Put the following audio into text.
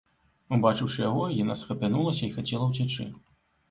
Убачыўшы яго, яна схапянулася і хацела ўцячы.